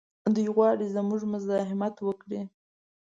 دوی غواړي زموږ مزاحمت وکړي.